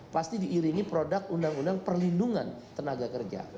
pasti diiringi produk undang undang perlindungan tenaga kerja